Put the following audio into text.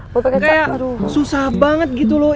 kayak susah banget gitu loh